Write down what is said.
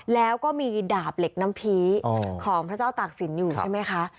แล้วก็มีดาบเหล็กน้ำพีของพระเจ้าตากศิลป์อยู่ใช่ไหมคะ